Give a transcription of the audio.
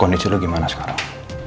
kondisi lo gimana sekarang